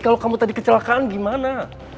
kalau kamu tadi kecelakaan gimana